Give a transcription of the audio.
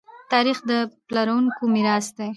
تاریخ د پلارونکو میراث دی.